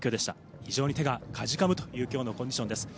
非常に手がかじかむという今日のコンディションです。